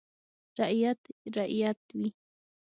• رعیت رعیت وي.